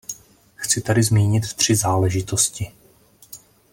Chci tady zmínit tři záležitosti.